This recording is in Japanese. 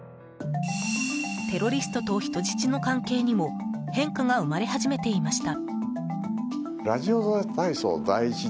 テロリストと人質の関係にも変化が生まれ始めていました。